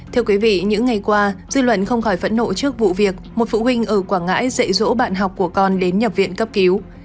thưa quý vị những ngày qua dư luận không khỏi phẫn nộ trước vụ việc một phụ huynh ở quảng ngãi dạy dỗ bạn học của con đến nhập viện cấp cứu